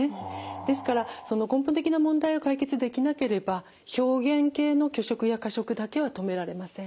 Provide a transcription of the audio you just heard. ですから根本的な問題を解決できなければ表現型の拒食や過食だけは止められません。